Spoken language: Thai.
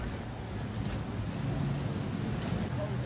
บาร์ด